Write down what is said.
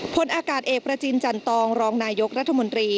พลอากาศเอกประจินจันตองรองนายกรัฐมนตรี